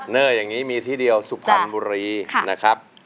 เนอร์อย่างนี้มีที่เดียวสุพรรณบุรีนะครับ